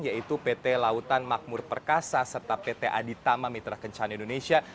yaitu pt lautan makmur perkasa serta pt aditama mitra kencahan indonesia